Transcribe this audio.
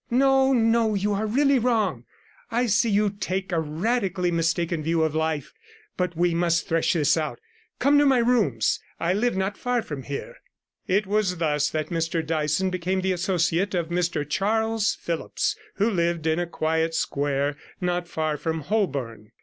'No, no, you are really wrong. I see you take a radically mistaken view of life. But we must thresh this out. Come to my rooms; I live not far from here.' It was thus that Mr Dyson became the associate of Mr Charles Phillipps, who lived in a quiet square not far from Holborn.